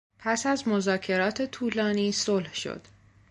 پس از مذاکرات طولانی صلح شد.